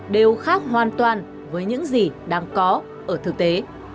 đều khác hoàn toàn với những gì đang có ở thực tế